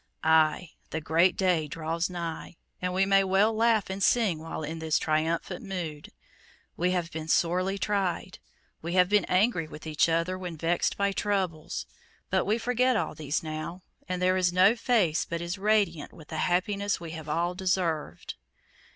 Ay, the great day draws nigh, and we may well laugh and sing while in this triumphant mood. We have been sorely tried; we have been angry with each other when vexed by troubles, but we forget all these now, and there is no face but is radiant with the happiness we have all deserved.